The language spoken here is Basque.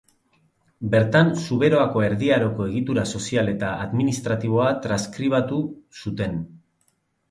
Bertan Zuberoako Erdi Aroko egitura sozial eta administratiboa transkribatu zuten.